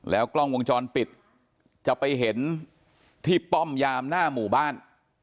กล้องวงจรปิดจะไปเห็นที่ป้อมยามหน้าหมู่บ้าน